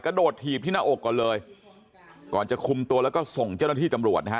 โดดถีบที่หน้าอกก่อนเลยก่อนจะคุมตัวแล้วก็ส่งเจ้าหน้าที่ตำรวจนะฮะ